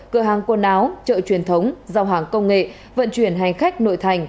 cửa hàng quần áo chợ truyền thống giao hàng công nghệ vận chuyển hành khách nội thành